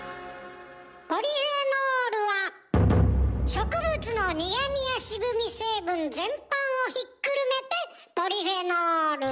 ポリフェノールは植物の苦味や渋味成分全般をひっくるめてポリフェノール。